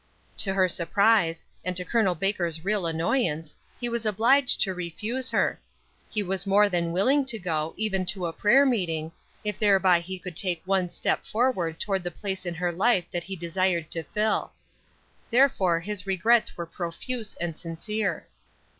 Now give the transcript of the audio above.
To her surprise, and to Col. Baker's real annoyance, he was obliged to refuse her. He was more than willing to go, even to a prayer meeting, if thereby he could take one step forward toward the place in her life that he desired to fill. Therefore his regrets were profuse and sincere.